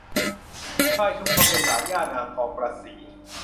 พลายชุมพลเป็นหลานย่านางทองประศรี